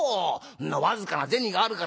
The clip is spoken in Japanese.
んな僅かな銭があるからねえ